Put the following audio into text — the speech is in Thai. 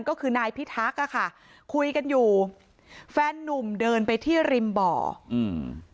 ก็คือนายพิทักษ์อ่ะค่ะคุยกันอยู่แฟนนุ่มเดินไปที่ริมบ่ออืม